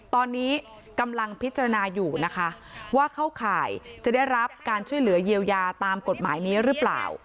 ตอนนี้กำลังพิจารณาอยู่นะคะว่าเข้าข่ายจะได้รับการช่วยเหลือเยียวยาตามกฎหมายนี้หรือเปล่า